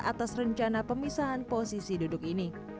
atas rencana pemisahan posisi duduk ini